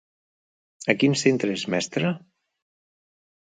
A quin centre és mestre?